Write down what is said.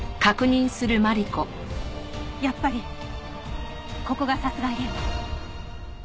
やっぱりここが殺害現場。